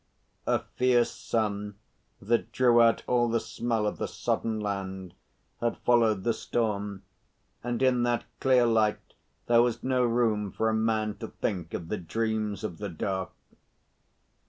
A fierce sun, that drew out all the smell of the sodden land, had followed the storm, and in that clear light there was no room for a man to think of the dreams of the dark.